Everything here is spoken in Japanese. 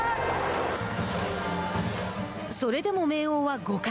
それでも明桜は５回。